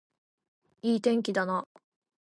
いい天気だな